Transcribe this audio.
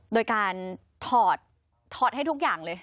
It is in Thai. โดยการถอดถอดให้ทุกอย่างเลย